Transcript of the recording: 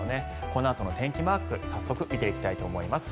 このあとの天気マーク早速見ていきたいと思います。